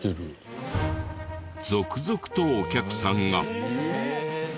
続々とお客さんが。